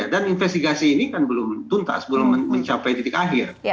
dan investigasi ini kan belum tuntas belum mencapai titik akhir